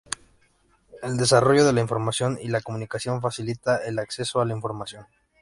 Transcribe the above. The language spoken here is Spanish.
El desarrollo de la información y la comunicación facilita el acceso a la información.